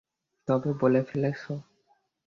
তবে বলে ফেলেছো।